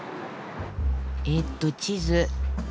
えっと地図。